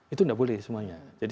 itu tidak boleh semuanya